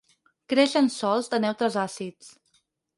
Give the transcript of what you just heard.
Creix en sòls de neutres àcids.